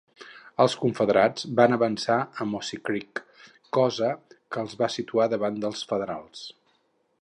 Els confederats van avançar a Mossy Creek, cosa que el va situar davant dels federals.